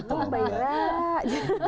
iya mbak ira